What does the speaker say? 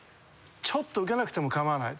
ちょっとウケなくてもかまわない。